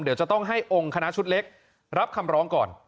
เดี๋ยวจะต้องให้องค์คณะชุดเล็กรับคำร้องก่อน